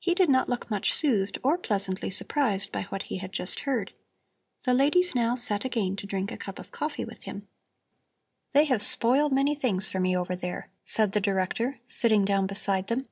He did not look much soothed or pleasantly surprised by what he had just heard. The ladies now sat down again to drink a cup of coffee with him. "They have spoiled many things for me over there," said the Director, sitting down beside them.